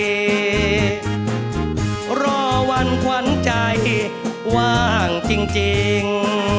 เพราะวันกวนใจว่างจริง